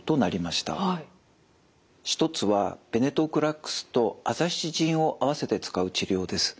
一つはベネトクラクスとアザシチジンを併せて使う治療です。